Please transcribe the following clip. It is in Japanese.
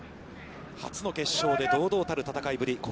初の決勝で堂々たる戦いぶり